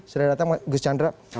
selamat datang gus chandra